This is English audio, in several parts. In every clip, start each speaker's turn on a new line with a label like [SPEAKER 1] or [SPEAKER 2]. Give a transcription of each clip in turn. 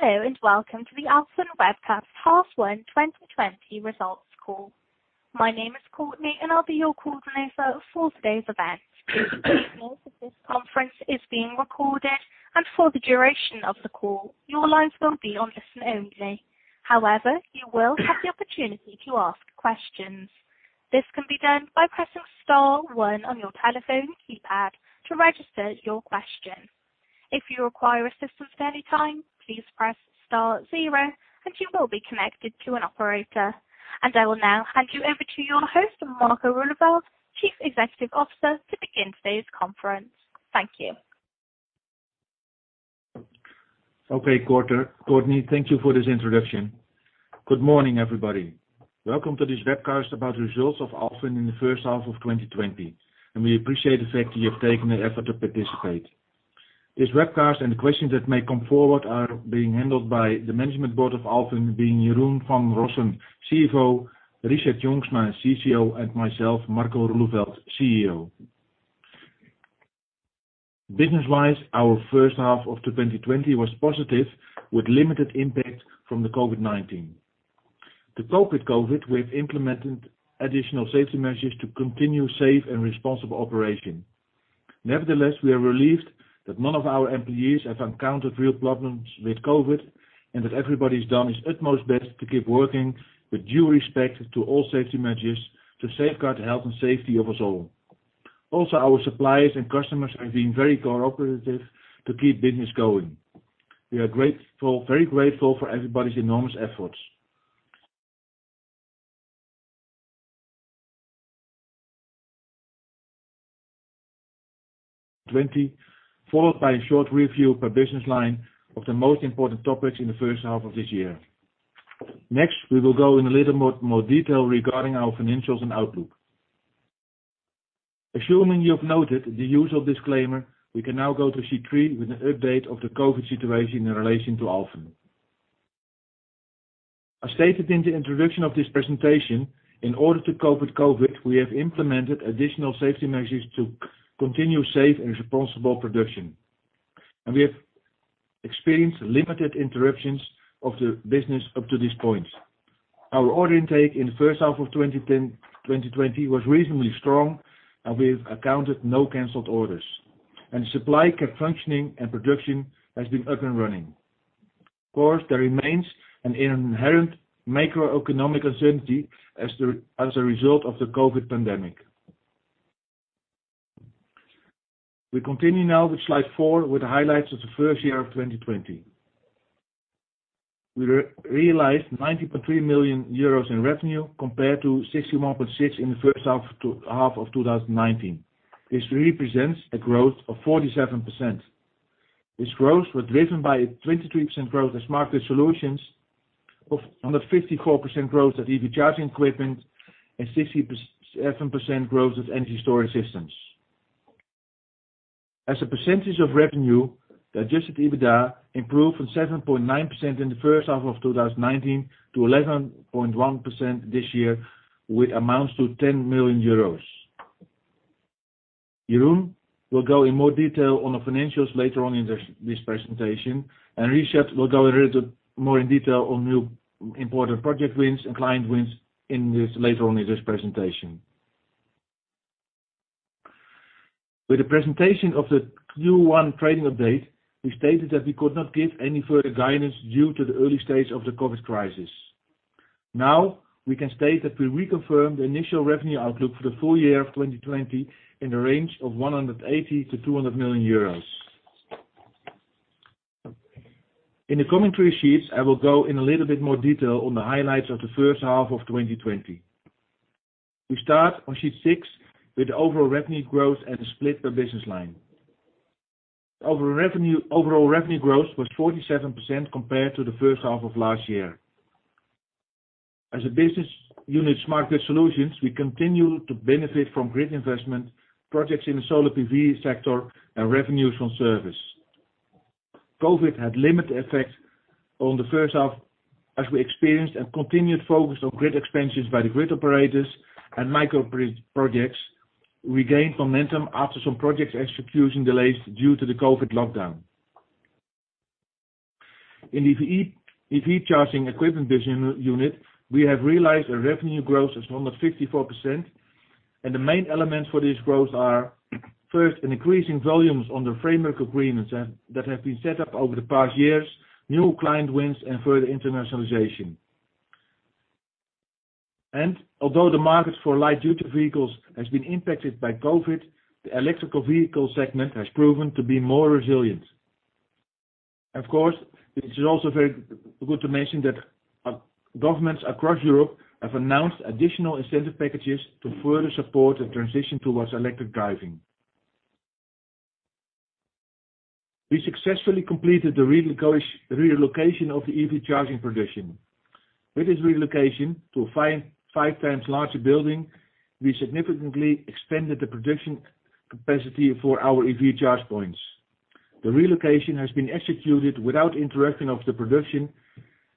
[SPEAKER 1] Hello and Welcome to the Alfen Webcast, Class 1, 2020 Results Call. My name is Courtney, and I'll be your coordinator for today's event. Note that this conference is being recorded, and for the duration of the call, your lines will be on listen only. However, you will have the opportunity to ask questions. This can be done by pressing star one on your telephone keypad to register your question. If you require assistance at any time, please press star zero, and you will be connected to an operator. I will now hand you over to your host, Marco Roeleveld, Chief Executive Officer, to begin today's conference. Thank you.
[SPEAKER 2] Okay, Courtney, thank you for this introduction. Good morning, everybody. Welcome to this webcast about the results of Alfen in the first half of 2020, and we appreciate the fact that you've taken the effort to participate. This webcast and the questions that may come forward are being handled by the Management Board of Alfen, being Jeroen van Rossen, CFO, Richard Jongsma, CCO, and myself, Marco Roeleveld, CEO. Business-wise, our first half of 2020 was positive, with limited impact from the COVID-19. To cope with COVID, we've implemented additional safety measures to continue safe and responsible operation. Nevertheless, we are relieved that none of our employees have encountered real problems with COVID and that everybody's done his utmost best to keep working with due respect to all safety measures to safeguard the health and safety of us all. Also, our suppliers and customers have been very cooperative to keep business going. We are very grateful for everybody's enormous efforts. 2020, followed by a short review per business line of the most important topics in the first half of this year. Next, we will go in a little more detail regarding our financials and outlook. Assuming you've noted the usual disclaimer, we can now go to sheet three with an update of the COVID-19 situation in relation to Alfen. As stated in the introduction of this presentation, in order to cope with COVID-19, we have implemented additional safety measures to continue safe and responsible production. We have experienced limited interruptions of the business up to this point. Our order intake in the first half of 2020 was reasonably strong, and we've accounted for no canceled orders. The supply kept functioning, and production has been up and running. Of course, there remains an inherent macroeconomic uncertainty as a result of the COVID-19 pandemic. We continue now with slide four, with the highlights of the first half of 2020. We realized 90.3 million euros in revenue compared to 61.6 million in the first half of 2019. This represents a growth of 47%. This growth was driven by a 23% growth at Smart grid solutions, another 54% growth at EV charging equipment, and a 67% growth at Energy storage systems. As a percentage of revenue, the adjusted EBITDA improved from 7.9% in the first half of 2019 to 11.1% this year, which amounts to 10 million euros. Jeroen will go in more detail on the financials later on in this presentation, and Richard will go a little bit more in detail on new important project wins and client wins later on in this presentation. With the presentation of the Q1 trading update, we stated that we could not give any further guidance due to the early stage of the COVID-19 crisis. Now, we can state that we reconfirmed the initial revenue outlook for the full year of 2020 in the range of 180 million-200 million euros. In the commentary sheets, I will go in a little bit more detail on the highlights of the first half of 2020. We start on sheet six with the overall revenue growth and the split per business line. Overall revenue growth was 47% compared to the first half of last year. As a business unit, Smart grid Solutions, we continue to benefit from grid investment, projects in the solar PV sector, and revenues from service. COVID-19 had limited effect on the first half as we experienced and continued focus on grid expansions by the grid operators and micro projects. We gained momentum after some project execution delays due to the COVID-19 lockdown. In the EV charging equipment business unit, we have realized a revenue growth of 254%, and the main elements for this growth are, first, an increase in volumes on the framework agreements that have been set up over the past years, new client wins, and further internationalization. Although the market for light-duty vehicles has been impacted by COVID-19, the electric vehicle segment has proven to be more resilient. It is also very good to mention that governments across Europe have announced additional incentive packages to further support the transition towards electric driving. We successfully completed the relocation of the EV charging production. With this relocation to a five times larger building, we significantly extended the production capacity for our EV charge points. The relocation has been executed without interruption of the production,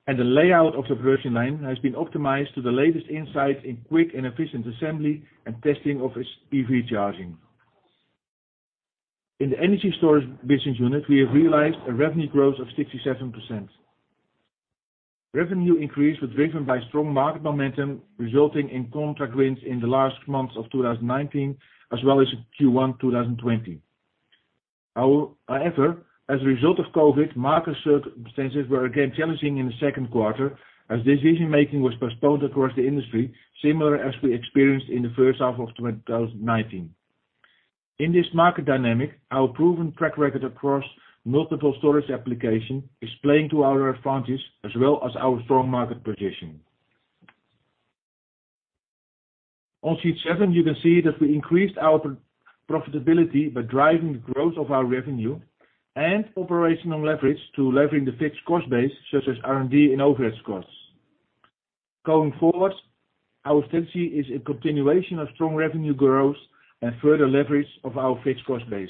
[SPEAKER 2] and the layout of the production line has been optimized to the latest insights in quick and efficient assembly and testing of EV charging. In the Energy storage business unit, we have realized a revenue growth of 67%. Revenue increase was driven by strong market momentum, resulting in contract wins in the last months of 2019, as well as Q1 2020. However, as a result of COVID-19, market circumstances were again challenging in the second quarter, as decision-making was postponed across the industry, similar as we experienced in the first half of 2019. In this market dynamic, our proven track record across multiple storage applications is playing to our advantage, as well as our strong market position. On sheet seven, you can see that we increased our profitability by driving the growth of our revenue and operational leverage to leverage the fixed cost base, such as R&D and overhead costs. Going forward, our strategy is a continuation of strong revenue growth and further leverage of our fixed cost base.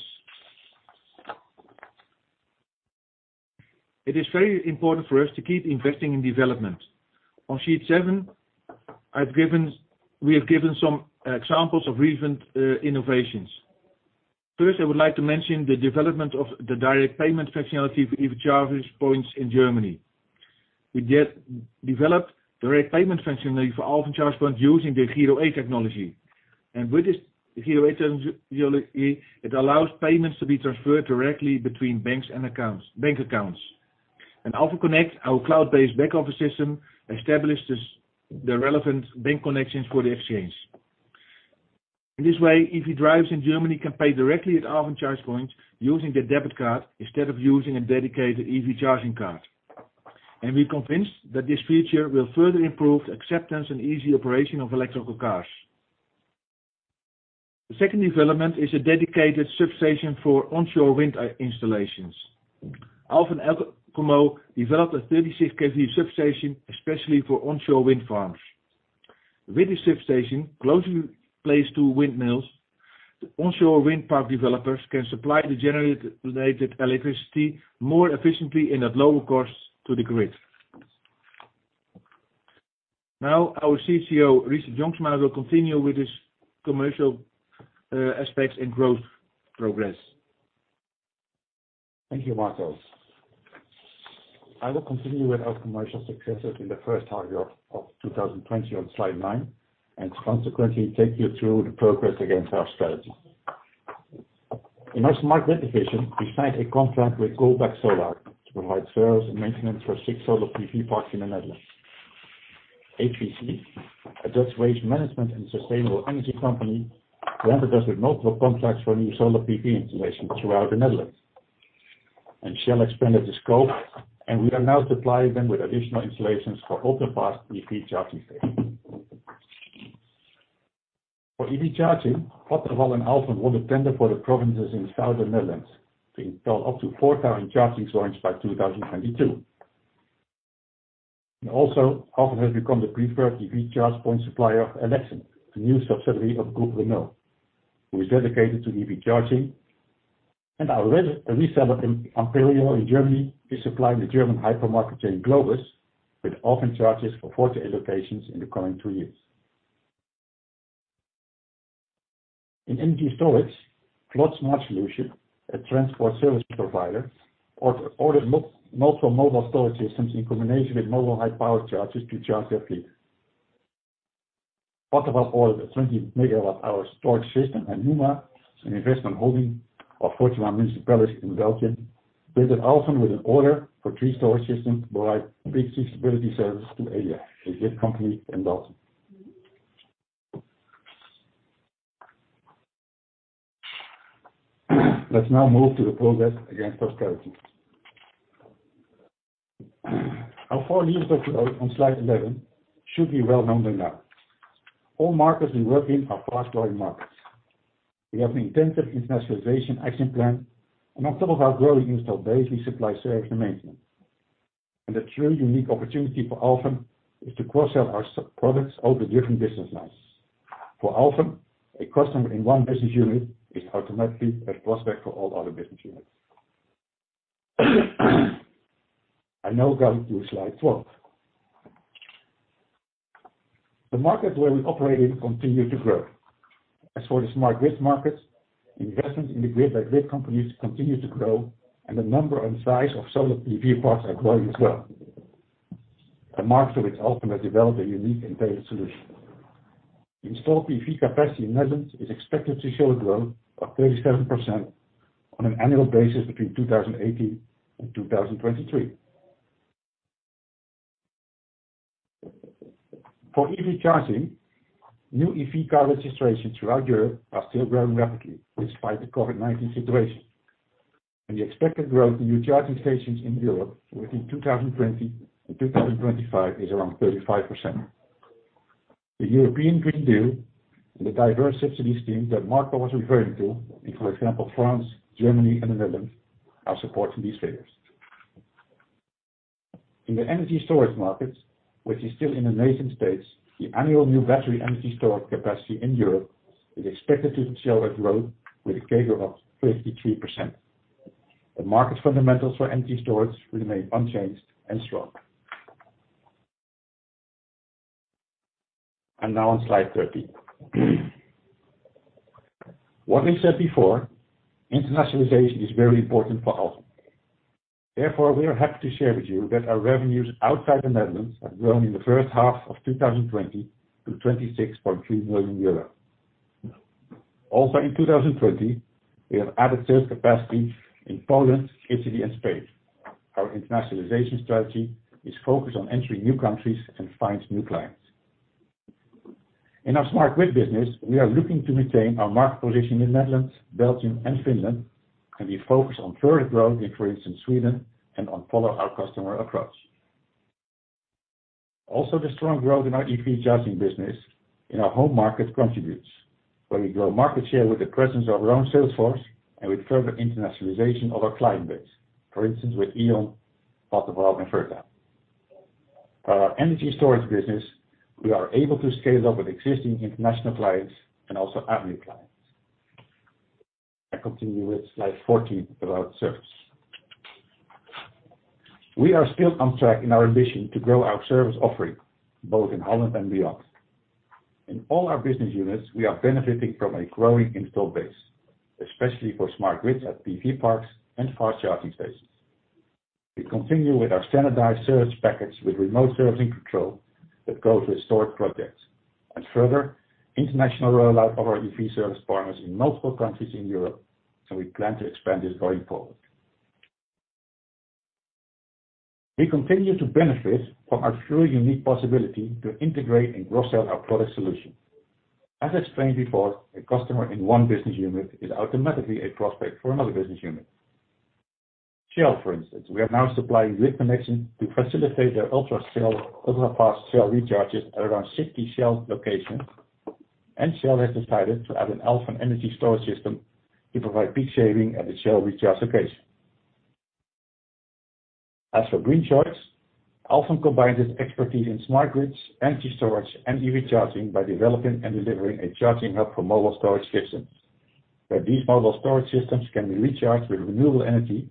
[SPEAKER 2] It is very important for us to keep investing in development. On sheet seven, we have given some examples of recent innovations. First, I would like to mention the development of the direct payment functionality for EV charging points in Germany. We developed direct payment functionality for Alfen charge points using the Giro-e technology. With this Giro-e technology, it allows payments to be transferred directly between banks and accounts. Alfen connects our cloud-based back-office system and establishes the relevant bank connections for the exchange. In this way, EV drivers in Germany can pay directly at Alfen charge points using their debit card instead of using a dedicated EV charging card. We are convinced that this feature will further improve acceptance and easy operation of electrical cars. The second development is a dedicated substation for onshore wind installations. Alfen Elkamo developed a 36kV substation, especially for onshore wind farms. With this substation, closely placed to windmills, onshore wind park developers can supply the generated electricity more efficiently and at lower cost to the grid. Now, our CCO, Richard Jongsma, will continue with his commercial aspects and growth progress.
[SPEAKER 3] Thank you, Marco. I will continue with our commercial successes in the first half of 2020 on slide nine, and consequently take you through the progress against our strategy. In our Smart grid division, we signed a contract with Goldbeck Solar to provide service and maintenance for six solar PV parks in the Netherlands. HVC, a Dutch waste management and sustainable energy company, handed us multiple contracts for new solar PV installations throughout the Netherlands. Shell expanded the scope, and we are now supplying them with additional installations for ultrafast EV charging stations. For EV charging, Vattenfall and Alfen will attend for the provinces in the southern Netherlands to install up to 4,000 charging points by 2022. Also, Alfen has become the preferred EV Charge Point supplier of Elexent, a new subsidiary of Group Renault, who is dedicated to EV charging. Our reseller Amperio in Germany is supplying the German hypermarket chain Globus with Alfen chargers for 48 locations in the coming two years. In Energy storage, Vlot Smart Solutions, a transport service provider, ordered multiple mobile storage systems in combination with mobile high-power chargers to charge their fleet. Vattenfall ordered a 20 megawatt-hour storage system at Uppsala, an investment holding of Flemish municipalities in Belgium, bidded Alfen with an order for three storage systems to provide peak flexibility service to a grid company in Belgium. Let's now move to the progress against our strategy. Our four years of growth on slide 11 should be well known by now. All markets we work in are fast-growing markets. We have an intensive internationalization action plan, and on top of our growing install base, we supply service and maintenance. The true unique opportunity for Alfen is to cross-sell our products over different business lines. For Alfen, a customer in one business unit is automatically a prospect for all other business units. I now go to slide 12. The market where we operate in continues to grow. As for the Smart grid market, investments in the grid by grid companies continue to grow, and the number and size of solar PV parks are growing as well. A market for which Alfen has developed a unique and tailored solution. Installed PV capacity in Netherlands is expected to show a growth of 37% on an annual basis between 2018 and 2023. For EV charging, new EV car registrations throughout Europe are still growing rapidly despite the COVID-19 situation. The expected growth in new charging stations in Europe within 2020 and 2025 is around 35%. The European Green Deal and the diverse subsidies teams that Marco was referring to, for example, France, Germany, and the Netherlands, are supporting these figures. In the energy storage markets, which is still in the nation states, the annual new battery energy storage capacity in Europe is expected to show a growth with a CAGR of 53%. The market fundamentals for energy storage remain unchanged and strong. Now on slide 13. What we said before, internationalization is very important for Alfen. Therefore, we are happy to share with you that our revenues outside the Netherlands have grown in the first half of 2020 to 26.3 million euros. Also, in 2020, we have added sales capacity in Poland, Italy, and Spain. Our internationalization strategy is focused on entering new countries and finding new clients. In our Smart grid business, we are looking to retain our market position in the Netherlands, Belgium, and Finland, and we focus on further growth in, for instance, Sweden and on following our customer approach. Also, the strong growth in our EV charging business in our home market contributes, where we grow market share with the presence of our own sales force and with further internationalization of our client base, for instance, with E.ON, Vattenfall. For our Energy storage business, we are able to scale up with existing international clients and also our new clients. I continue with slide 14 about service. We are still on track in our ambition to grow our service offering both in Holland and beyond. In all our business units, we are benefiting from a growing install base, especially for Smart grids at PV parks and fast charging stations. We continue with our standardized service package with remote servicing control that goes with storage projects and further international rollout of our EV service partners in multiple countries in Europe, and we plan to expand this going forward. We continue to benefit from our true unique possibility to integrate and cross-sell our product solution. As explained before, a customer in one business unit is automatically a prospect for another business unit. Shell, for instance, we are now supplying grid connections to facilitate their Ultrafast Shell recharges at around 60 Shell locations, and Shell has decided to add an Alfen energy storage system to provide peak saving at the Shell recharge location. As for Greenchoice, Alfen combines its expertise in Smart grid, Energy storage, and EV charging by developing and delivering a charging hub for mobile storage systems, where these mobile storage systems can be recharged with renewable energy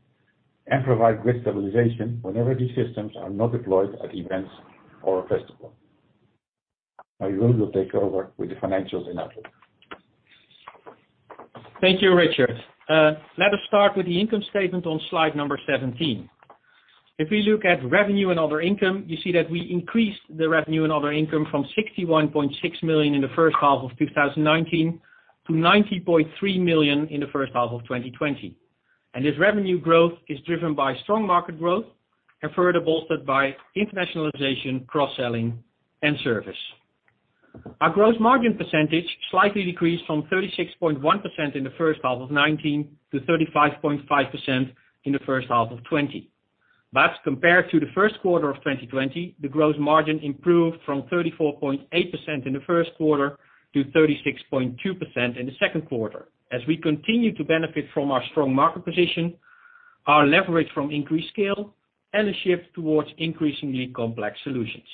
[SPEAKER 3] and provide grid stabilization whenever these systems are not deployed at events or festivals. Jeroen will take over with the financials in outlook.
[SPEAKER 4] Thank you, Richard. Let us start with the income statement on slide number 17. If we look at revenue and other income, you see that we increased the revenue and other income from 61.6 million in the first half of 2019 to 90.3 million in the first half of 2020. This revenue growth is driven by strong market growth and further bolstered by internationalization, cross-selling, and service. Our gross margin percentage slightly decreased from 36.1% in the first half of 2019 to 35.5% in the first half of 2020. Compared to the first quarter of 2020, the gross margin improved from 34.8% in the first quarter to 36.2% in the second quarter. As we continue to benefit from our strong market position, our leverage from increased scale and a shift towards increasingly complex solutions.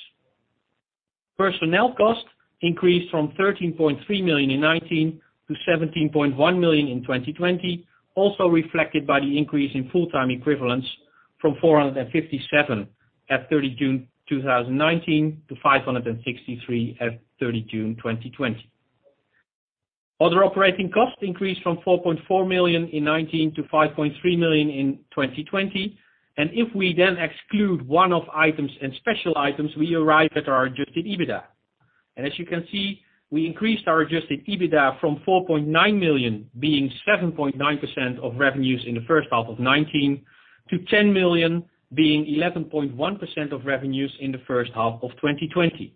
[SPEAKER 4] Personnel cost increased from 13.3 million in 2019 to 17.1 million in 2020, also reflected by the increase in full-time equivalents from 457 at 30 June 2019 to 563 at 30 June 2020. Other operating costs increased from 4.4 million in 2019 to 5.3 million in 2020. If we then exclude one-off items and special items, we arrive at our adjusted EBITDA. As you can see, we increased our adjusted EBITDA from 4.9 million, being 7.9% of revenues in the first half of 2019, to 10 million, being 11.1% of revenues in the first half of 2020.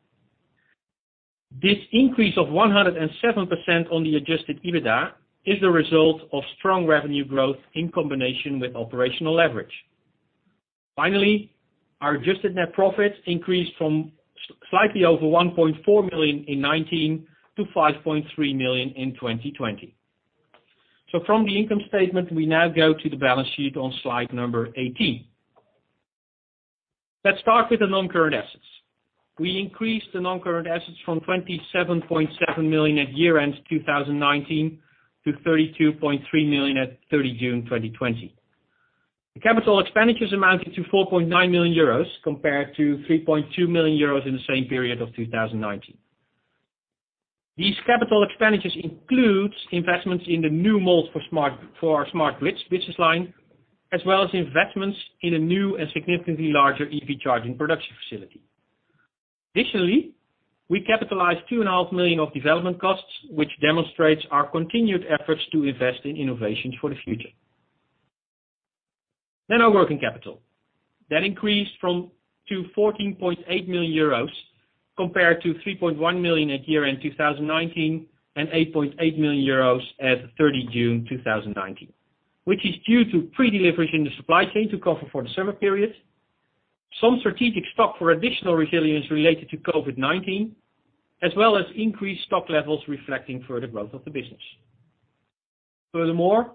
[SPEAKER 4] This increase of 107% on the adjusted EBITDA is the result of strong revenue growth in combination with operational leverage. Finally, our adjusted net profit increased from slightly over 1.4 million in 2019 to 5.3 million in 2020. From the income statement, we now go to the balance sheet on slide number 18. Let's start with the non-current assets. We increased the non-current assets from 27.7 million at year-end 2019 to 32.3 million at 30 June 2020. The capital expenditures amounted to 4.9 million euros compared to 3.2 million euros in the same period of 2019. These capital expenditures include investments in the new mold for Smart grid solutions business line, as well as investments in a new and significantly larger EV charging production facility. Additionally, we capitalized 2.5 million of development costs, which demonstrates our continued efforts to invest in innovations for the future. Our working capital. That increased from to 14.8 million euros compared to 3.1 million at year-end 2019 and 8.8 million euros at 30 June 2019, which is due to pre-deliveries in the supply chain to cover for the summer period, some strategic stock for additional resilience related to COVID-19, as well as increased stock levels reflecting further growth of the business. Furthermore,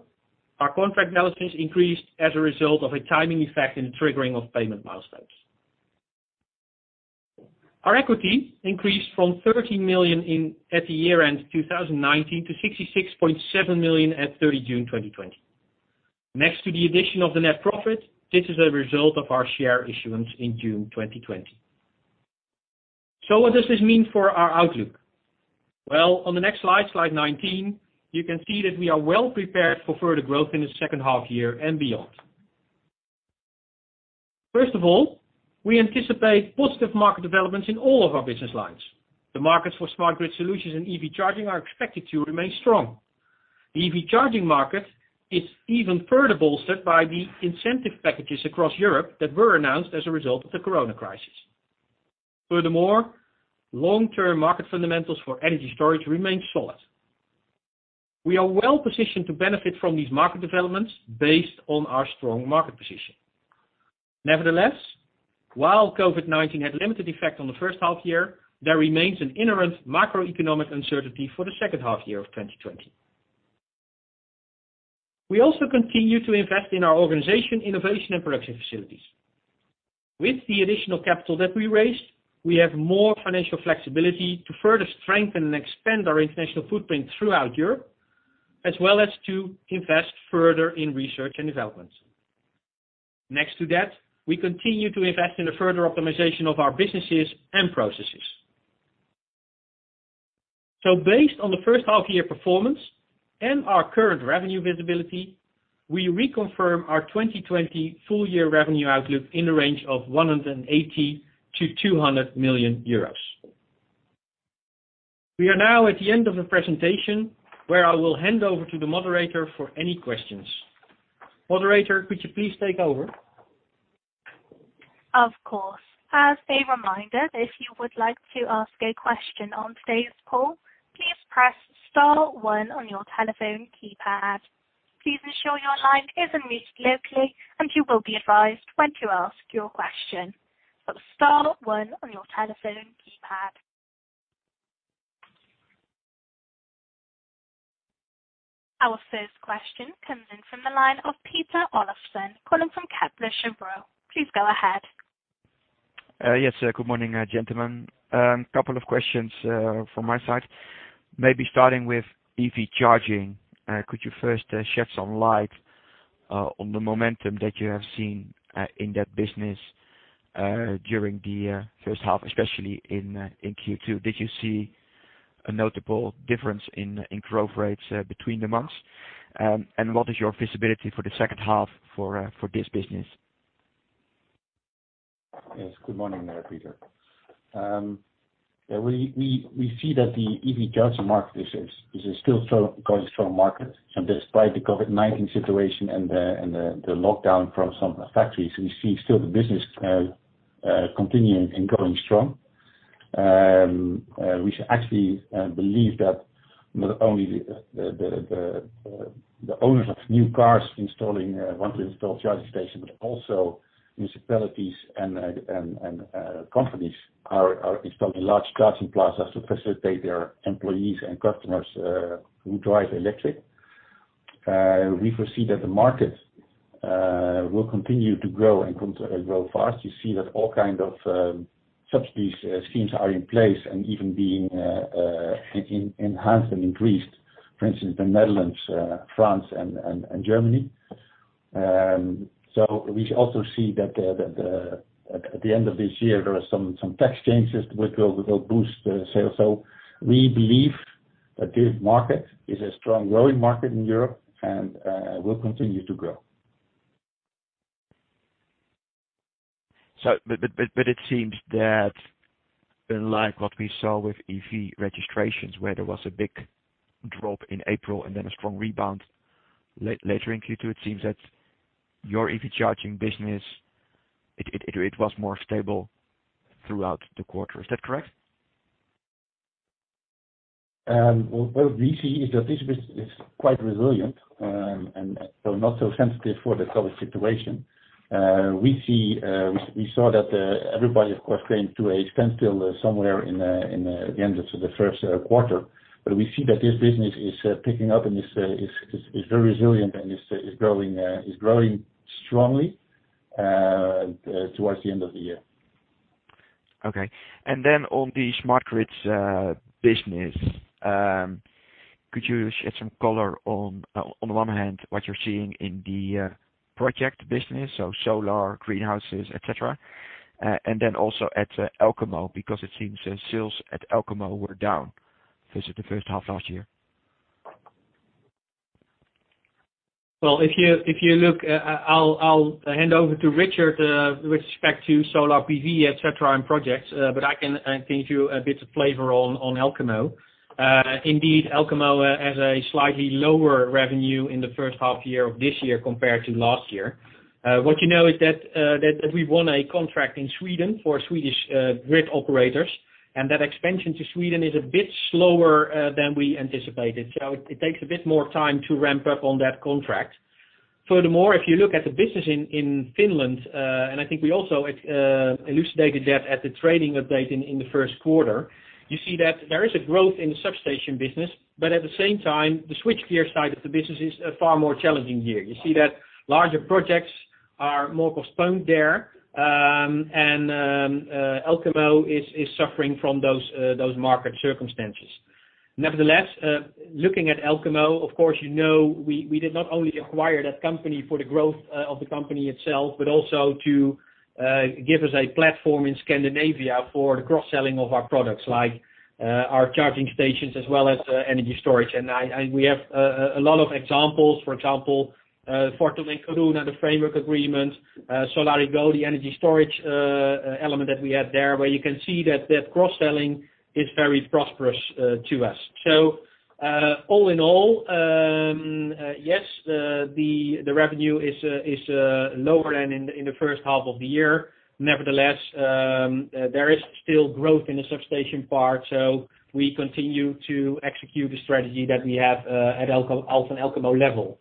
[SPEAKER 4] our contract balance increased as a result of a timing effect in the triggering of payment milestones. Our equity increased from 13 million at the year-end 2019 to 66.7 million at 30 June 2020. Next to the addition of the net profit, this is a result of our share issuance in June 2020. On the next slide, slide 19, you can see that we are well prepared for further growth in the second half year and beyond. First of all, we anticipate positive market developments in all of our business lines. The markets for Smart grid Solutions and EV charging are expected to remain strong. The EV charging market is even further bolstered by the incentive packages across Europe that were announced as a result of the corona crisis. Furthermore, long-term market fundamentals for energy storage remain solid. We are well positioned to benefit from these market developments based on our strong market position. Nevertheless, while COVID-19 had limited effect on the first half year, there remains an inherent macroeconomic uncertainty for the second half year of 2020. We also continue to invest in our organization, innovation, and production facilities. With the additional capital that we raised, we have more financial flexibility to further strengthen and expand our international footprint throughout Europe, as well as to invest further in research and development. Next to that, we continue to invest in the further optimization of our businesses and processes. Based on the first half year performance and our current revenue visibility, we reconfirm our 2020 full year revenue outlook in the range of 180 million-200 million euros. We are now at the end of the presentation, where I will hand over to the moderator for any questions. Moderator, could you please take over?
[SPEAKER 1] Of course. As a reminder, if you would like to ask a question on today's call, please press star one on your telephone keypad. Please ensure your line is unmuted locally, and you will be advised when to ask your question. Star one on your telephone keypad. Our first question comes in from the line of Peter Olofsen, calling from Kepler Cheuvreux. Please go ahead.
[SPEAKER 5] Yes, good morning, gentlemen. A couple of questions from my side. Maybe starting with EV charging, could you first shed some light on the momentum that you have seen in that business during the first half, especially in Q2? Did you see a notable difference in growth rates between the months? What is your visibility for the second half for this business?
[SPEAKER 3] Yes, good morning there, Peter. We see that the EV charging market is still a very strong market. Despite the COVID-19 situation and the lockdown from some factories, we see still the business continuing and going strong. We actually believe that not only the owners of new cars want to install charging stations, but also municipalities and companies are installing large charging plazas to facilitate their employees and customers who drive electric. We foresee that the market will continue to grow and grow fast. You see that all kinds of subsidies and schemes are in place and even being enhanced and increased, for instance, the Netherlands, France, and Germany. We also see that at the end of this year, there are some tax changes which will boost sales. We believe that this market is a strong growing market in Europe and will continue to grow.
[SPEAKER 5] It seems that unlike what we saw with EV registrations, where there was a big drop in April and then a strong rebound later in Q2, it seems that your EV charging business, it was more stable throughout the quarter. Is that correct?
[SPEAKER 3] What we see is that this business is quite resilient and not so sensitive for the COVID-19 situation. We saw that everybody, of course, came to a standstill somewhere in the end of the first quarter. We see that this business is picking up and is very resilient and is growing strongly towards the end of the year.
[SPEAKER 5] Okay. Could you shed some color on the Smart grids business, on the one hand what you're seeing in the project business, so solar, greenhouses, etc., and then also at Elkamo because it seems sales at Elkamo were down versus the first half last year?
[SPEAKER 4] If you look, I'll hand over to Richard with respect to solar, PV, etc., and projects, but I can give you a bit of flavor on Elkamo. Indeed, Elkamo has a slightly lower revenue in the first half year of this year compared to last year. What you know is that we won a contract in Sweden for Swedish grid operators, and that expansion to Sweden is a bit slower than we anticipated. It takes a bit more time to ramp up on that contract. Furthermore, if you look at the business in Finland, and I think we also elucidated that at the trading update in the first quarter, you see that there is a growth in the substation business, but at the same time, the switchgear side of the business is a far more challenging year. You see that larger projects are more postponed there, and Elkamo is suffering from those market circumstances. Nevertheless, looking at Elkamo, of course, you know we did not only acquire that company for the growth of the company itself, but also to give us a platform in Scandinavia for the cross-selling of our products like our charging stations as well as energy storage. We have a lot of examples, for example, Fortum and Caruna, the framework agreement, Solarigo, the energy storage element that we had there, where you can see that that cross-selling is very prosperous to us. All in all, yes, the revenue is lower than in the first half of the year. Nevertheless, there is still growth in the substation part, so we continue to execute the strategy that we have at Elkamo level.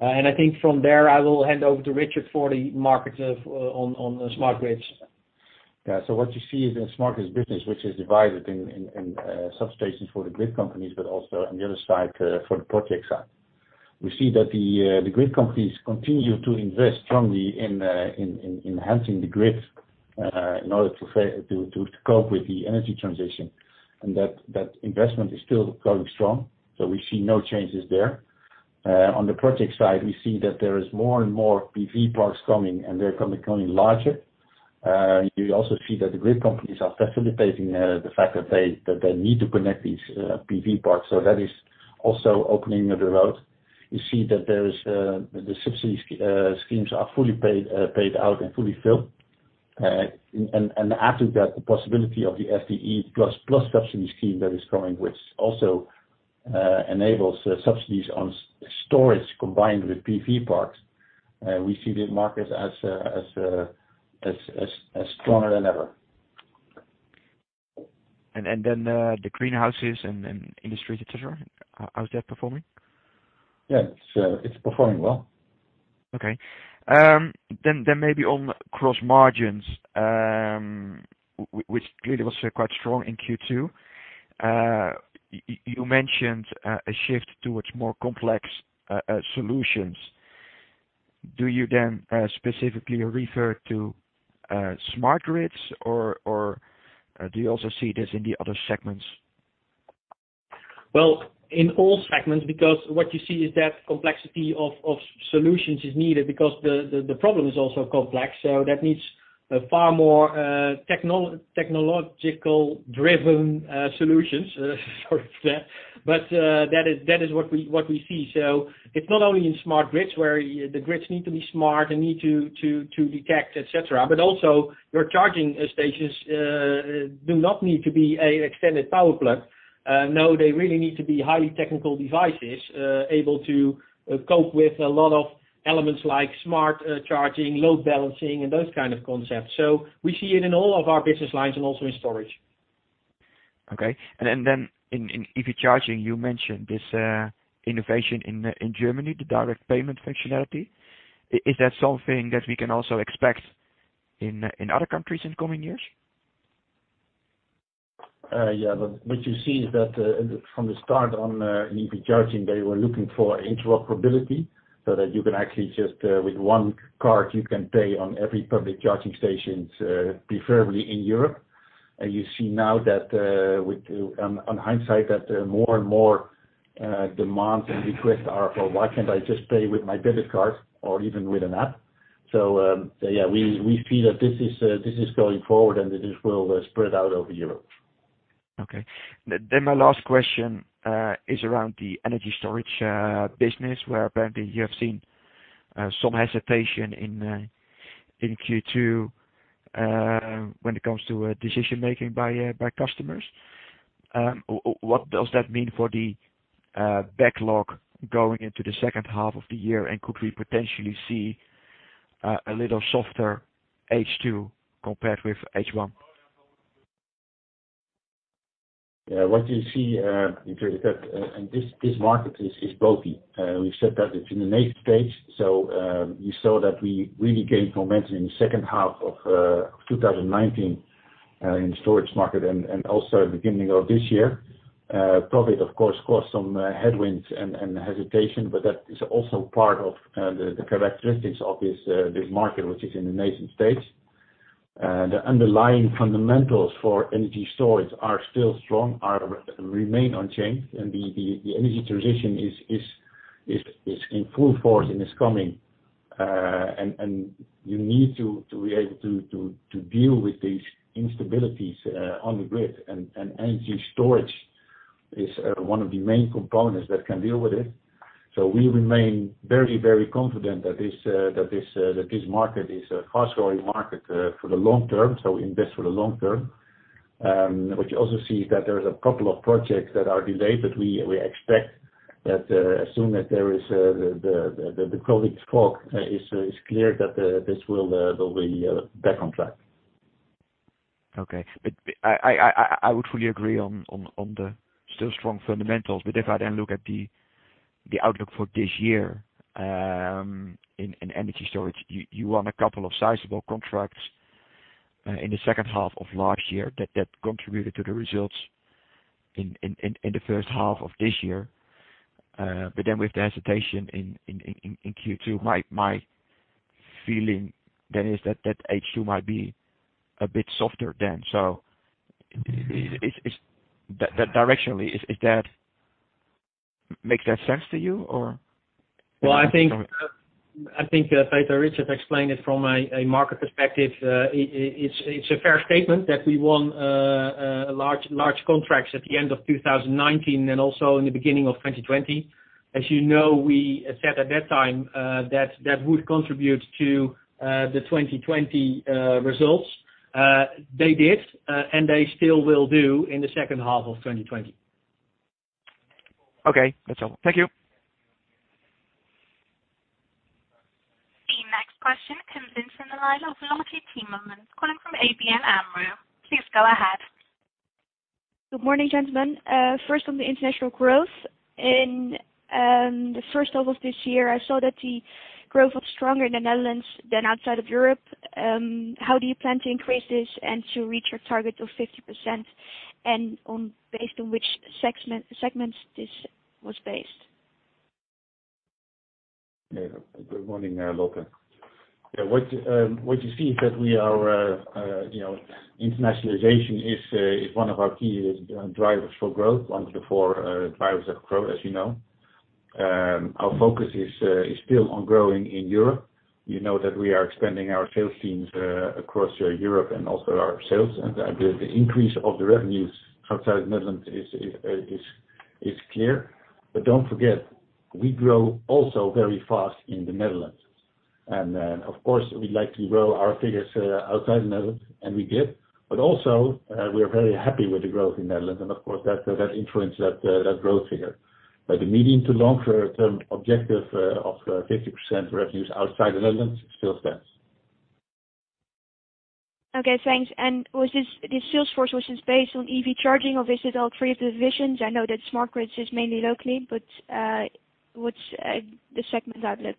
[SPEAKER 4] I think from there, I will hand over to Richard for the market on Smart grids.
[SPEAKER 3] Yeah. What you see is that Smart grids business, which is divided in substations for the grid companies, but also on the other side for the project side. We see that the grid companies continue to invest strongly in enhancing the grid in order to cope with the energy transition, and that investment is still going strong. We see no changes there. On the project side, we see that there are more and more PV parks coming, and they're becoming larger. You also see that the grid companies are facilitating the fact that they need to connect these PV parks. That is also opening the road. You see that the subsidy schemes are fully paid out and fully filled. Add to that the possibility of the FTE plus subsidy scheme that is coming, which also enables subsidies on storage combined with PV parks. We see the market as stronger than ever.
[SPEAKER 5] The greenhouses and industries, etc., how's that performing?
[SPEAKER 3] Yeah, it's performing well.
[SPEAKER 5] Okay. Then maybe on gross margins, which clearly was quite strong in Q2, you mentioned a shift towards more complex solutions. Do you then specifically refer Smart grid solutions, or do you also see this in the other segments?
[SPEAKER 4] In all segments, because what you see is that complexity of solutions is needed because the problem is also complex. That needs far more technological-driven solutions, sorry for that. That is what we see. It is not only in Smart grids where the grids need to be smart and need to detect, etc., but also your charging stations do not need to be an extended power plug. No, they really need to be highly technical devices able to cope with a lot of elements like smart charging, load balancing, and those kinds of concepts. We see it in all of our business lines and also in storage.
[SPEAKER 5] Okay. In EV charging, you mentioned this innovation in Germany, the direct payment functionality. Is that something that we can also expect in other countries in coming years?
[SPEAKER 3] Yeah. What you see is that from the start on EV charging, they were looking for interoperability so that you can actually just with one card, you can pay on every public charging station, preferably in Europe. You see now that on hindsight, that more and more demands and requests are for, "Why can't I just pay with my debit card or even with an app?" Yeah, we see that this is going forward, and this will spread out over Europe.
[SPEAKER 5] Okay. My last question is around the energy storage business, where apparently you have seen some hesitation in Q2 when it comes to decision-making by customers. What does that mean for the backlog going into the second half of the year? Could we potentially see a little softer H2 compared with H1?
[SPEAKER 3] Yeah. What you see is that this market is broken. We said that it's in the native stage. You saw that we really gained momentum in the second half of 2019 in the storage market and also at the beginning of this year. COVID-19, of course, caused some headwinds and hesitation, but that is also part of the characteristics of this market, which is in the native stage. The underlying fundamentals for Energy storage are still strong, remain unchanged, and the energy transition is in full force and is coming. You need to be able to deal with these instabilities on the grid, and energy storage is one of the main components that can deal with it. We remain very, very confident that this market is a fast-growing market for the long term, so invest for the long term. What you also see is that there are a couple of projects that are delayed, but we expect that as soon as the COVID-19 fog is cleared, that this will be back on track.
[SPEAKER 5] Okay. I would fully agree on the still strong fundamentals, but if I then look at the outlook for this year in energy storage, you won a couple of sizable contracts in the second half of last year that contributed to the results in the first half of this year. With the hesitation in Q2, my feeling then is that H2 might be a bit softer then. Directionally, does that make sense to you or?
[SPEAKER 4] I think that Richard explained it from a market perspective. It's a fair statement that we won large contracts at the end of 2019 and also in the beginning of 2020. As you know, we said at that time that that would contribute to the 2020 results. They did, and they still will do in the second half of 2020.
[SPEAKER 5] Okay. That's all. Thank you.
[SPEAKER 1] The next question comes in from the line of Lotte Timmermans calling from ABN AMRO. Please go ahead.
[SPEAKER 6] Good morning, gentlemen. First, on the international growth, in the first half of this year, I saw that the growth was stronger in the Netherlands than outside of Europe. How do you plan to increase this and to reach your target of 50%? Based on which segments this was based?
[SPEAKER 3] Good morning, Lotte. Yeah. What you see is that internationalization is one of our key drivers for growth, one of the four drivers of growth, as you know. Our focus is still on growing in Europe. You know that we are expanding our sales teams across Europe and also our sales. The increase of the revenues outside of the Netherlands is clear. Do not forget, we grow also very fast in the Netherlands. Of course, we'd like to grow our figures outside the Netherlands, and we did. We are very happy with the growth in the Netherlands, and of course, that influences that growth figure. The medium to long-term objective of 50% revenues outside the Netherlands still stands.
[SPEAKER 6] Okay. Thanks. This sales force was just based on EV charging, or is it all three of the divisions? I know that Smart grids is mainly locally, but what's the segment outlook?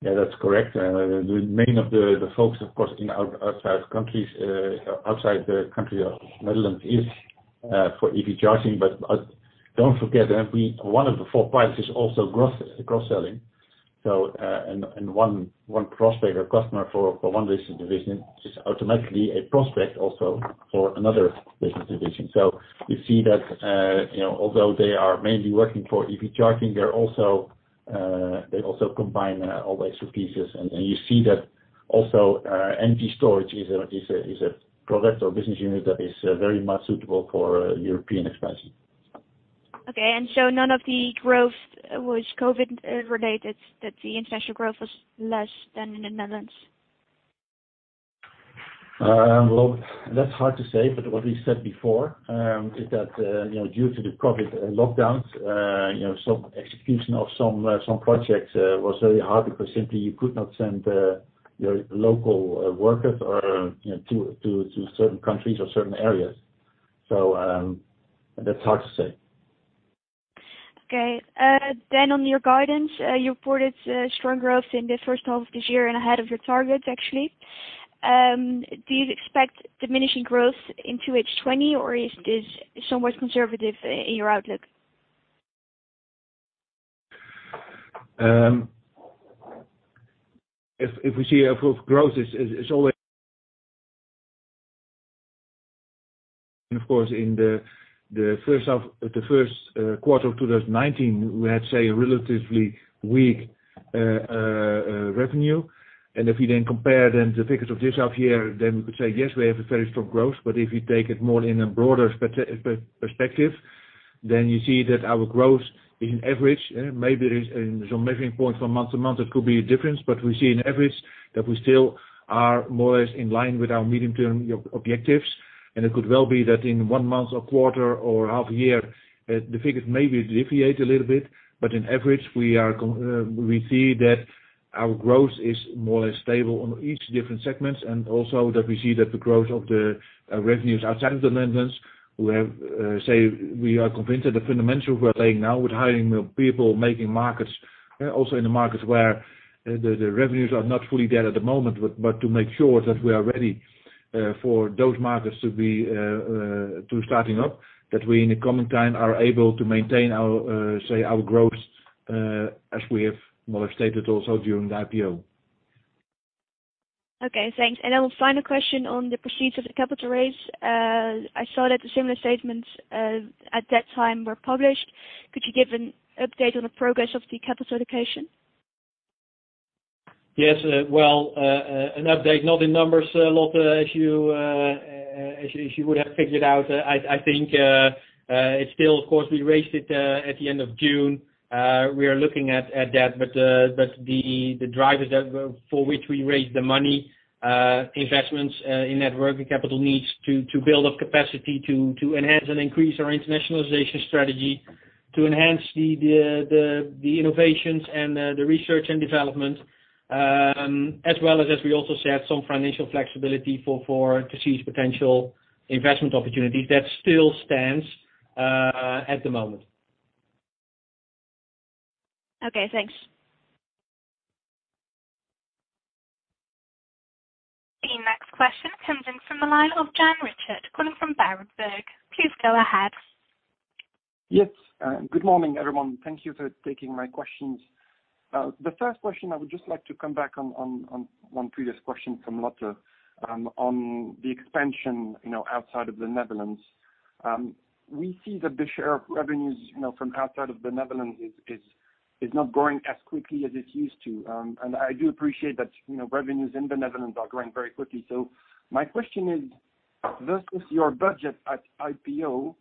[SPEAKER 3] Yeah, that's correct. The main focus, of course, in outside countries, outside the country of the Netherlands, is for EV charging. Do not forget, one of the four parts is also cross-selling. One prospect or customer for one business division is automatically a prospect also for another business division. You see that although they are mainly working for EV charging, they also combine all the expertise. You see that also energy storage is a product or business unit that is very much suitable for European expansion.
[SPEAKER 6] Okay. And so none of the growth was COVID-19-related, that the international growth was less than in the Netherlands?
[SPEAKER 3] That's hard to say, but what we said before is that due to the COVID-19 lockdowns, some execution of some projects was very hard because simply you could not send your local workers to certain countries or certain areas. That's hard to say.
[SPEAKER 6] Okay. Then on your guidance, you reported strong growth in the first half of this year and ahead of your target, actually. Do you expect diminishing growth into H2 2020, or is this somewhat conservative in your outlook?
[SPEAKER 2] If we see a growth, it's always, of course, in the first half, the first quarter of 2019, we had, say, a relatively weak revenue. If we then compare the figures of this half year, then we could say, yes, we have a very strong growth. If you take it more in a broader perspective, then you see that our growth is an average. Maybe there's some measuring points from month to month; it could be a difference. We see an average that we still are more or less in line with our medium-term objectives. It could well be that in one month or quarter or half a year, the figures may be deviated a little bit. In average, we see that our growth is more or less stable on each different segment. We see that the growth of the revenues outside of the Netherlands, we are convinced that the fundamentals were laying now with hiring more people, making markets, also in a market where the revenues are not fully there at the moment. To make sure that we are ready for those markets to be starting up, that we in the coming time are able to maintain our growth as we have more or less stated also during the IPO.
[SPEAKER 6] Okay. Thanks. Final question on the proceeds of the capital raise. I saw that similar statements at that time were published. Could you give an update on the progress of the capital allocation?
[SPEAKER 4] Yes. An update, not in numbers, Lotte, as you would have figured out. I think it's still, of course, we raised it at the end of June. We are looking at that. The drivers for which we raised the money, investments in networking capital needs to build up capacity, to enhance and increase our internationalization strategy, to enhance the innovations and the research and development, as well as, as we also said, some financial flexibility to seize potential investment opportunities. That still stands at the moment.
[SPEAKER 6] Okay. Thanks.
[SPEAKER 1] The next question comes in from the line of Jan Richard, calling from Berenberg. Please go ahead.
[SPEAKER 7] Yes. Good morning, everyone. Thank you for taking my questions. The first question, I would just like to come back on one previous question from Lotte on the expansion outside of the Netherlands. We see that the share of revenues from outside of the Netherlands is not growing as quickly as it used to. I do appreciate that revenues in the Netherlands are growing very quickly. My question is, versus your budget at IPO,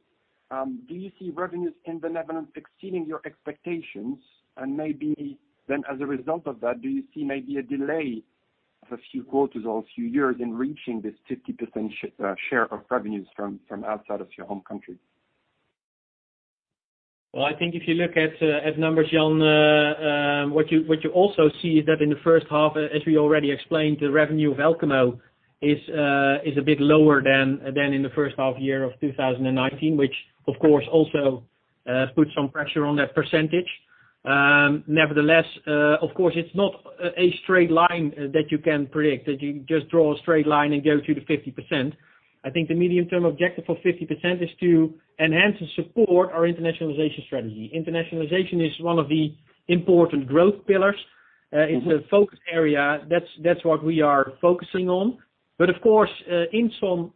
[SPEAKER 7] do you see revenues in the Netherlands exceeding your expectations? Maybe then, as a result of that, do you see maybe a delay of a few quarters or a few years in reaching this 50% share of revenues from outside of your home country?
[SPEAKER 4] I think if you look at numbers, Jan, what you also see is that in the first half, as we already explained, the revenue of Elkamo is a bit lower than in the first half year of 2019, which, of course, also puts some pressure on that percentage. Nevertheless, of course, it's not a straight line that you can predict, that you just draw a straight line and go to the 50%. I think the medium-term objective for 50% is to enhance and support our internationalization strategy. Internationalization is one of the important growth pillars. It's a focus area. That's what we are focusing on. Of course, in some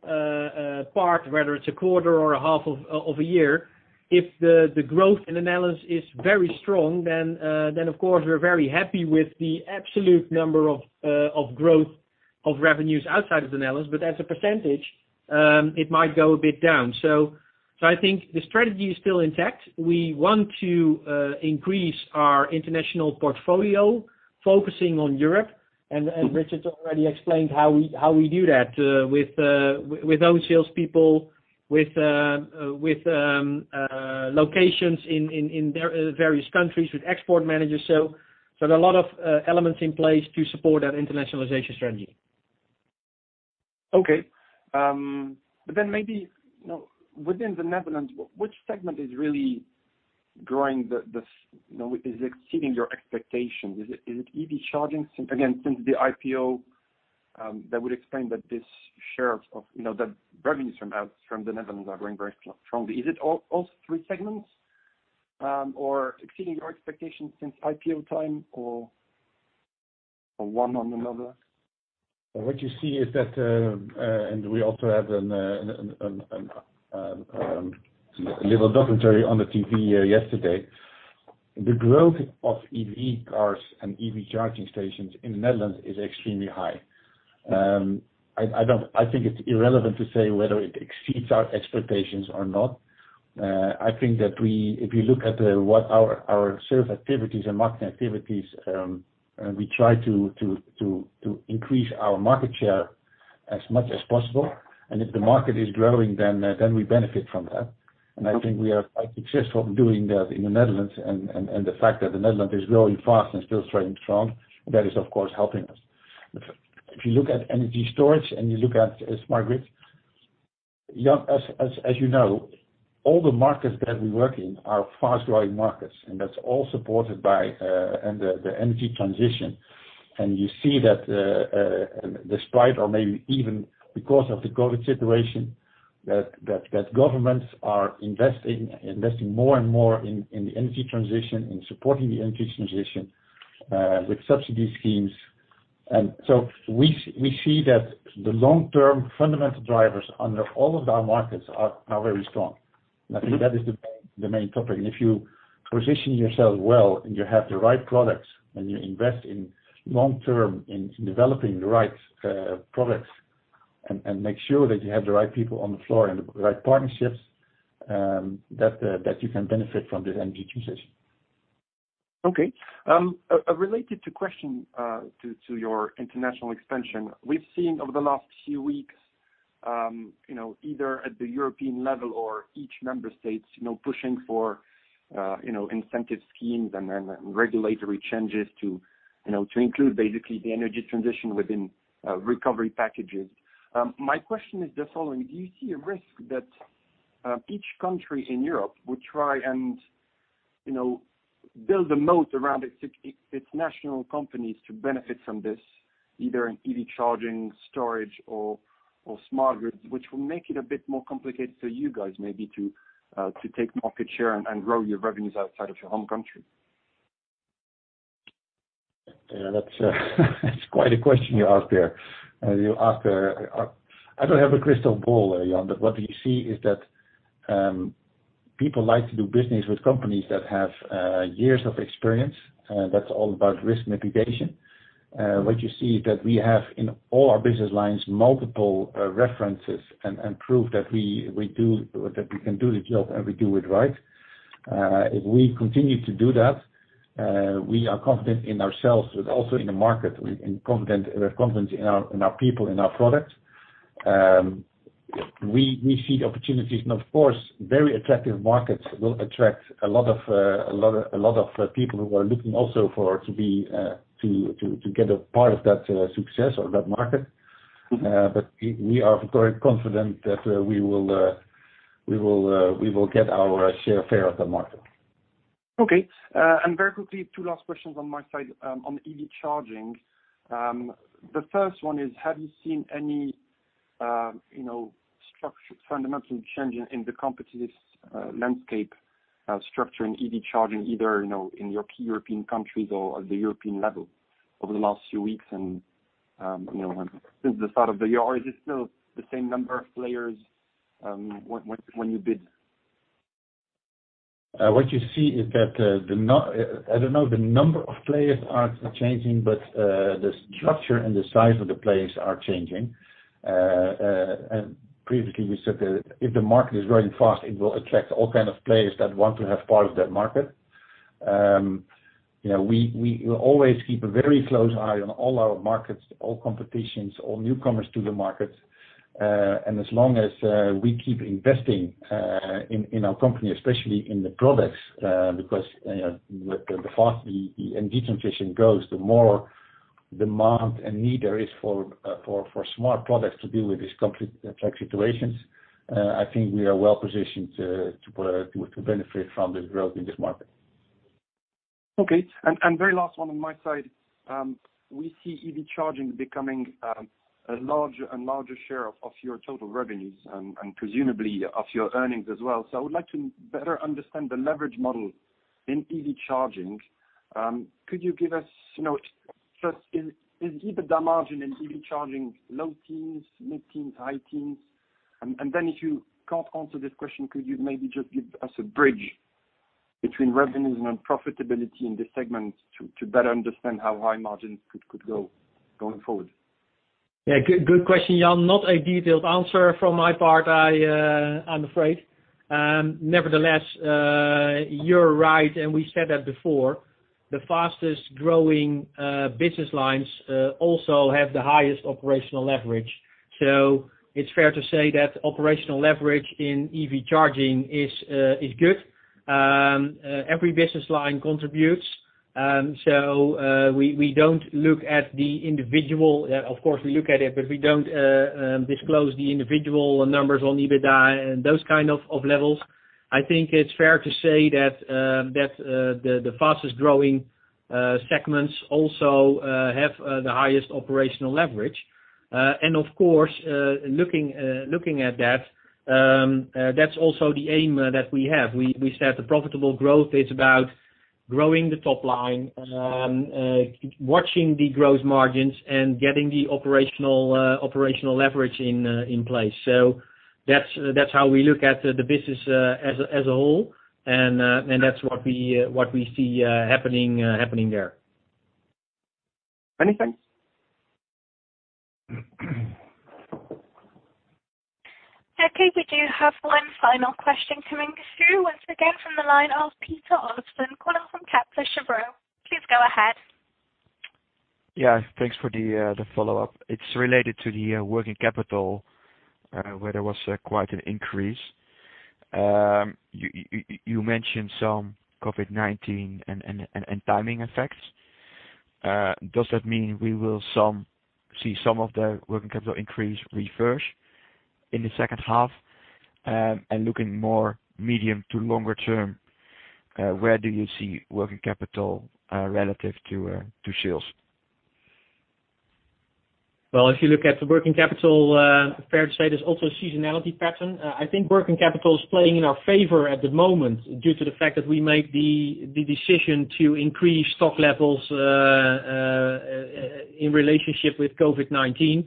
[SPEAKER 4] part, whether it's a quarter or a half of a year, if the growth in the Netherlands is very strong, then of course, we're very happy with the absolute number of growth of revenues outside of the Netherlands. As a percentage, it might go a bit down. I think the strategy is still intact. We want to increase our international portfolio, focusing on Europe. Richard already explained how we do that with those salespeople, with locations in various countries, with export managers. There are a lot of elements in place to support that internationalization strategy.
[SPEAKER 7] Okay. Maybe within the Netherlands, which segment is really growing? Is it exceeding your expectations? Is it EV charging? Again, since the IPO, that would explain that this share of the revenues from the Netherlands are growing very strongly. Is it all three segments or exceeding your expectations since IPO time or one or another?
[SPEAKER 3] What you see is that, and we also have a little documentary on the TV yesterday, the growth of EV cars and EV charging stations in the Netherlands is extremely high. I think it's irrelevant to say whether it exceeds our expectations or not. I think that if you look at our sales activities and marketing activities, we try to increase our market share as much as possible. If the market is growing, then we benefit from that. I think we are quite successful in doing that in the Netherlands. The fact that the Netherlands is growing fast and still staying strong, that is, of course, helping us. If you look at energy storage and you look at Smart grids, Jan, as you know, all the markets that we work in are fast-growing markets. That is all supported by the energy transition. You see that despite or maybe even because of the COVID-19 situation, governments are investing more and more in the energy transition, in supporting the energy transition with subsidy schemes. We see that the long-term fundamental drivers under all of our markets are very strong. I think that is the main topic. If you position yourself well and you have the right products and you invest in long-term in developing the right products and make sure that you have the right people on the floor and the right partnerships, you can benefit from this energy transition.
[SPEAKER 7] Okay. Related to the question to your international expansion, we've seen over the last few weeks, either at the European level or each member state pushing for incentive schemes and regulatory changes to include basically the energy transition within recovery packages. My question is the following: do you see a risk that each country in Europe would try and build a moat around its national companies to benefit from this, either in EV charging, storage, or Smart grids, which will make it a bit more complicated for you guys maybe to take market share and grow your revenues outside of your home country?
[SPEAKER 3] Yeah. That's quite a question you ask there. I don't have a crystal ball there, Jan. What you see is that people like to do business with companies that have years of experience. That's all about risk mitigation. What you see is that we have in all our business lines multiple references and proof that we can do the job and we do it right. If we continue to do that, we are confident in ourselves, but also in the market. We're confident in our people, in our products. We see the opportunities. Of course, very attractive markets will attract a lot of people who are looking also to get a part of that success or that market. We are very confident that we will get our share fair of the market.
[SPEAKER 7] Okay. Very quickly, two last questions on my side on EV charging. The first one is, have you seen any fundamental change in the competitive landscape structure in EV charging, either in your key European countries or at the European level over the last few weeks and since the start of the year? Is it still the same number of players when you bid?
[SPEAKER 3] What you see is that I don't know if the number of players are changing, but the structure and the size of the players are changing. Previously, we said that if the market is growing fast, it will attract all kinds of players that want to have part of that market. We will always keep a very close eye on all our markets, all competitions, all newcomers to the market. As long as we keep investing in our company, especially in the products, because the faster the energy transition goes, the more demand and need there is for smart products to deal with these complex situations, I think we are well positioned to benefit from the growth in this market.
[SPEAKER 7] Okay. Very last one on my side. We see EV charging becoming a larger and larger share of your total revenues and presumably of your earnings as well. I would like to better understand the leverage model in EV charging. Could you give us just is even the margin in EV charging low teens, mid-teens, high teens? If you cannot answer this question, could you maybe just give us a bridge between revenues and profitability in this segment to better understand how high margins could go going forward?
[SPEAKER 4] Yeah. Good question, Jan. Not a detailed answer from my part, I'm afraid. Nevertheless, you're right. We said that before. The fastest growing business lines also have the highest operational leverage. It is fair to say that operational leverage in EV charging is good. Every business line contributes. We do not look at the individual—of course, we look at it, but we do not disclose the individual numbers on EBITDA and those kinds of levels. I think it is fair to say that the fastest growing segments also have the highest operational leverage. Looking at that, that is also the aim that we have. We said the profitable growth is about growing the top line, watching the gross margins, and getting the operational leverage in place. That is how we look at the business as a whole. That is what we see happening there.
[SPEAKER 7] Anything?
[SPEAKER 1] Okay. We do have one final question coming through. Once again, from the line of Peter Olofsen calling from Kepler Cheuvreux. Please go ahead.
[SPEAKER 5] Yeah. Thanks for the follow-up. It's related to the working capital where there was quite an increase. You mentioned some COVID-19 and timing effects. Does that mean we will see some of the working capital increase refresh in the second half? Looking more medium to longer term, where do you see working capital relative to sales?
[SPEAKER 4] If you look at the working capital, fair to say there's also a seasonality pattern. I think working capital is playing in our favor at the moment due to the fact that we made the decision to increase stock levels in relationship with COVID-19.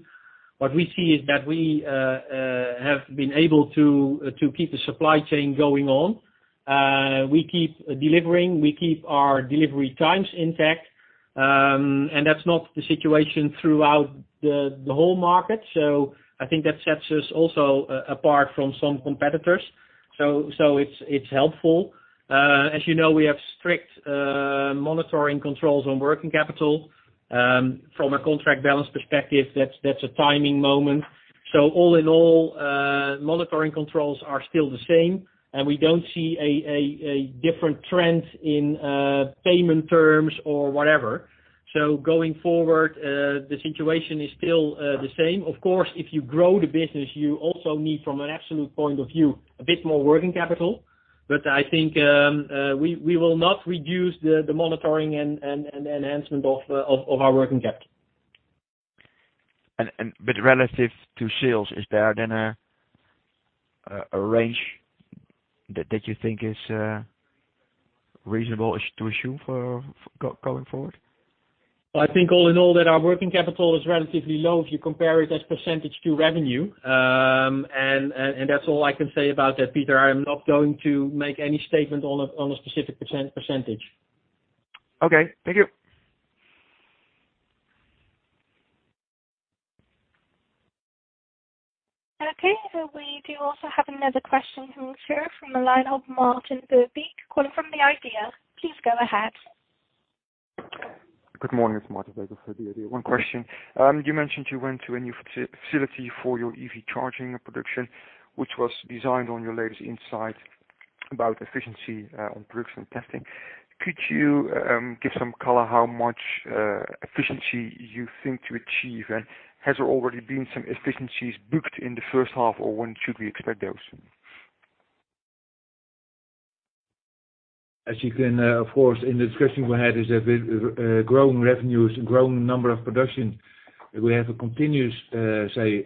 [SPEAKER 4] What we see is that we have been able to keep the supply chain going on. We keep delivering. We keep our delivery times intact. That's not the situation throughout the whole market. I think that sets us also apart from some competitors. It's helpful. As you know, we have strict monitoring controls on working capital. From a contract balance perspective, that's a timing moment. All in all, monitoring controls are still the same. We don't see a different trend in payment terms or whatever. Going forward, the situation is still the same. Of course, if you grow the business, you also need, from an absolute point of view, a bit more working capital. I think we will not reduce the monitoring and enhancement of our working capital.
[SPEAKER 5] Relative to sales, is there then a range that you think is reasonable to assume for going forward?
[SPEAKER 4] I think all in all that our working capital is relatively low if you compare it as percentage to revenue. That is all I can say about that, Peter. I am not going to make any statement on a specific percentage.
[SPEAKER 5] Okay. Thank you.
[SPEAKER 1] Okay. We do also have another question coming through from the line of Marteen Verbeek calling from The IDEA!. Please go ahead.
[SPEAKER 8] Good morning. It's Marteen Verbeek for The IDEA!. One question. You mentioned you went to a new facility for your EV charging production, which was designed on your latest insight about efficiency on production and testing. Could you give some color how much efficiency you think to achieve? Has there already been some efficiencies booked in the first half, or when should we expect those?
[SPEAKER 3] As you can, of course, in the discussion we had, is that growing revenues, growing number of production, we have a continuous, say,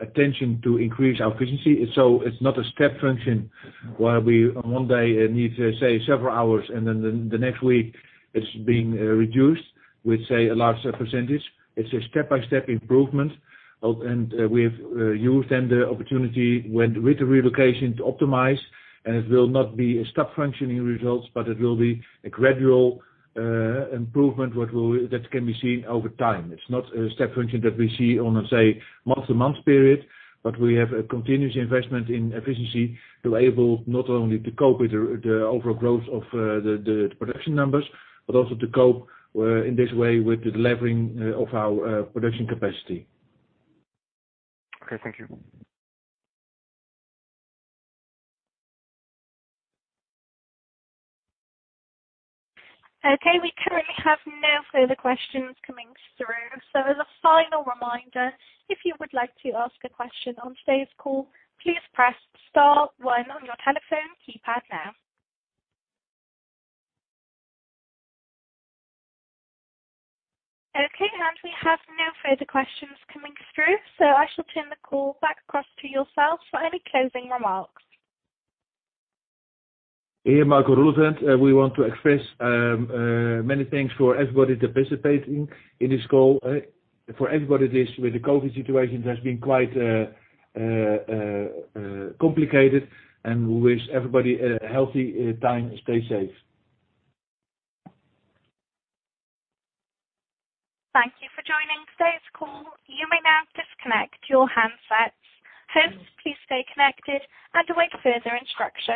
[SPEAKER 3] attention to increase our efficiency. It is not a step function where we one day need to say several hours, and then the next week it is being reduced with, say, a large percentage. It is a step-by-step improvement. We have used then the opportunity with the relocation to optimize. It will not be a step function in results, but it will be a gradual improvement that can be seen over time. It is not a step function that we see on a, say, month-to-month period, but we have a continuous investment in efficiency to be able not only to cope with the overall growth of the production numbers, but also to cope in this way with the delivering of our production capacity.
[SPEAKER 8] Okay. Thank you.
[SPEAKER 1] Okay. We currently have no further questions coming through. As a final reminder, if you would like to ask a question on today's call, please press star one on your telephone keypad now. Okay. We have no further questions coming through. I shall turn the call back across to yourself for any closing remarks.
[SPEAKER 3] Yeah. Marco Roeleveld. We want to express many thanks for everybody participating in this call, for everybody with the COVID-19 situation that has been quite complicated. And we wish everybody a healthy time and stay safe.
[SPEAKER 1] Thank you for joining today's call. You may now disconnect your handsets. Please stay connected and await further instructions.